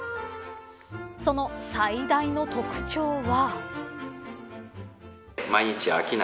その最大の特徴は。